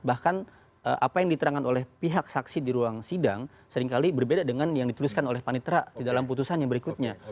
bahkan apa yang diterangkan oleh pihak saksi di ruang sidang seringkali berbeda dengan yang dituliskan oleh panitra di dalam putusan yang berikutnya